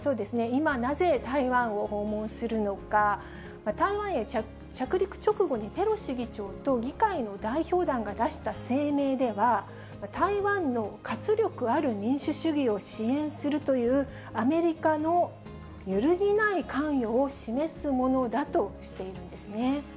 今なぜ台湾を訪問するのか、台湾へ着陸直後に、ペロシ議長と議会の代表団が出した声明では、台湾の活力ある民主主義を支援するという、アメリカの揺るぎない関与を示すものだとしているんですね。